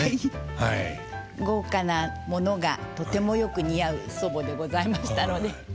豪華なものがとてもよく似合う祖母でございましたので。